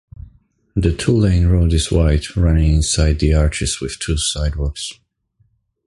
The two-lane road is wide, running inside the arches with two sidewalks.